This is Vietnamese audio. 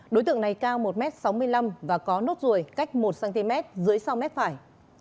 đối tượng này cao một m sáu mươi năm và có nốt ruồi cách một cm dưới sau mép phải